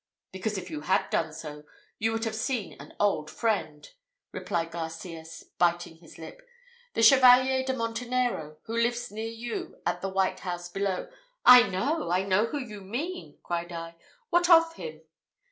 "Because if you had done so you would have seen an old friend," replied Garcias, biting his lip; "the Chevalier de Montenero, who lives near you at the white house below " "I know, I know whom you mean," cried I. "What of him?"